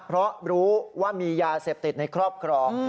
เพราะรู้ว่ามียาเสพติดในครอบครอง